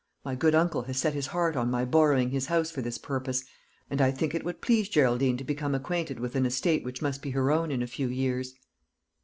My good uncle has set his heart on my borrowing his house for this purpose, and I think it would please Geraldine to become acquainted with an estate which must be her own in a few years."